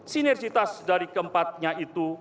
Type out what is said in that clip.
sinersitas dari keempatnya itu